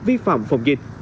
vi phạm phòng dịch